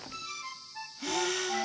はあ。